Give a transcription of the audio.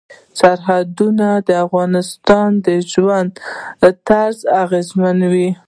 سرحدونه د افغانانو د ژوند طرز اغېزمنوي.